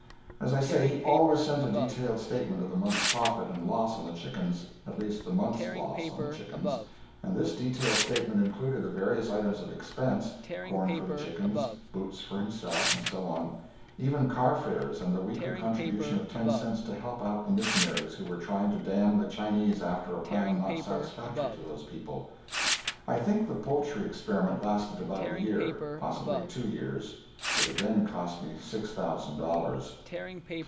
As I say, he always sent a detailed statement of the month's profit and loss on the chickens at least the month's loss on the chickens and this detailed statement included the various items of expense corn for the chickens, boots for himself, and so on; even car fares, and the weekly contribution of ten cents to help out the missionaries who were trying to damn the Chinese after a plan not satisfactory to those people. I think the poultry experiment lasted about a year, possibly two years. It had then cost me six thousand dollars.